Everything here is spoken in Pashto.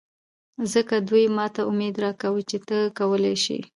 ځکه دوي ماته اميد راکوه چې ته کولې شې.